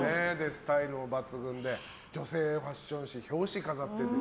スタイルも抜群で女性ファッション誌の表紙を飾っている。